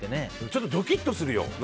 ちょっとドキッとするよ。